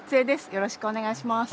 よろしくお願いします。